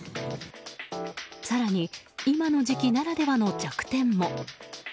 更に、今の時期ならではの弱点も。